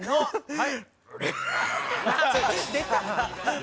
はい。